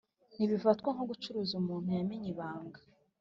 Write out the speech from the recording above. Ntibifatwa nko gucuruza umuntu yamenye ibanga